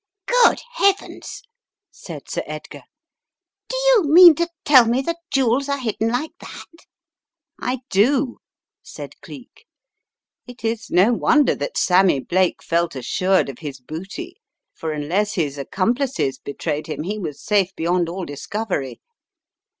"Good Heavens! " said Sir Edgar. "Do you mean to tell me the jewels are hidden like that?" " I do," said Cleek. " It is no wonder that Sammy Blake felt assured of his booty, for unless his ac complices betrayed him he was safe beyond all dis covery.